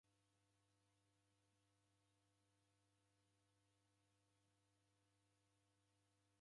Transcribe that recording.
M'baa wa isanga ujaa malagho gha w'ulindiri ghwa isanga.